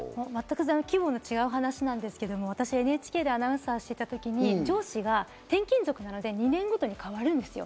全く規模の違う話ですけど、ＮＨＫでアナウンサーをしていた時に、上司が転勤族なので、２年ごとに変わる。